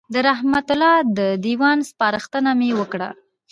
د رحمت الله د دېوان سپارښتنه مې وکړه.